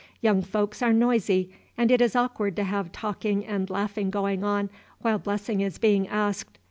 Young folks are noisy, and it is awkward to have talking and laughing going on while blessing is being asked.